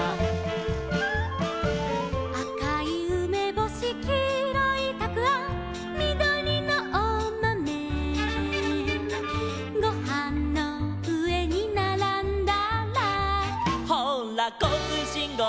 「あかいうめぼし」「きいろいたくあん」「みどりのおまめ」「ごはんのうえにならんだら」「ほうらこうつうしんごうだい」